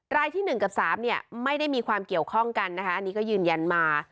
รายที่๑กับ๓เนี่ยไม่ได้มีความเกี่ยวข้องกันนะคะอันนี้ก็ยืนยันมา